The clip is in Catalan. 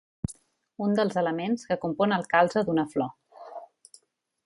Un dels elements que compon el calze d'una flor.